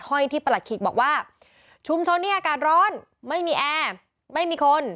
ห้อยที่ประหลัคคิกบอกว่าชุมชนนี้อากาศร้อนไม่มีแอร์ไม่มีคน